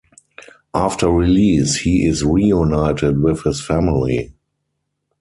After release he is reunited with his family.